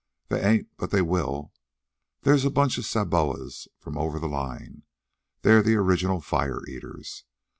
"They ain't, but they will. There's a bunch of Sabobas from over the line. They're the original fire eaters.